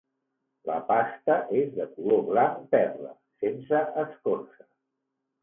La pasta és de color blanc perla, sense escorça.